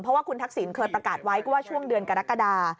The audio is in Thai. เพราะว่าคุณทักษิณเคยประกาศไว้ว่าช่วงเดือนกรกฎา